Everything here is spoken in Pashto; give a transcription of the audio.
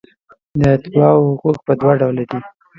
د اتباعو حقوق په دوه ډوله دي.